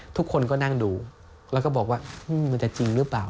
ทุกคนก็นั่งดูแล้วก็บอกว่ามันจะจริงหรือเปล่า